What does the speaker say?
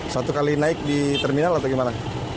satu kali naik di terminal atau gimana